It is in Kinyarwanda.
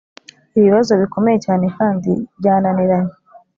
Ibibazo bikomeye cyane kandi byananiranye